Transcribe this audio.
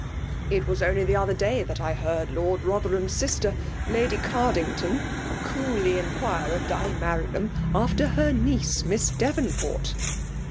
*' It was only the other day that I heard Lord Rothcrham'is sister, Lady Cardington, coolly inquire of Di Maran .ham after her niece Miss Devonport